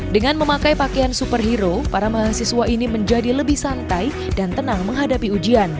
dengan memakai pakaian superhero para mahasiswa ini menjadi lebih santai dan tenang menghadapi ujian